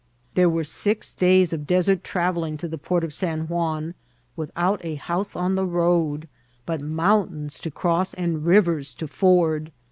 There were six days of desert travelling to the port of San Juan, without a house on the road, but mountains to cross and rivers to ford.